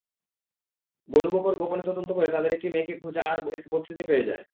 বনু Bakr গোপনে তদন্ত করে তাদের একটি মেয়েকে খোজাআর এক বস্তিতে পেয়ে যায়।